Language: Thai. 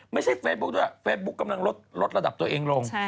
เฟซบุ๊กด้วยเฟซบุ๊กกำลังลดระดับตัวเองลง